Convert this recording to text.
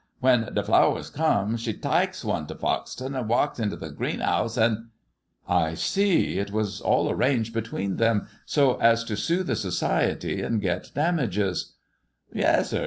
When t' flowers come, she taiks one t' Foxton an' walks into th' green'ouse an' "" I see, it was all arranged between them so as to sue the society and get damages 1 "" Yessir.